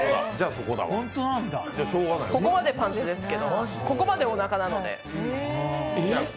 ここまでパンツですけどここまでおなかなので。